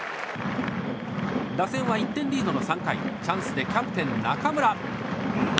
打線は１点リードの３回チャンスでキャプテン、中村。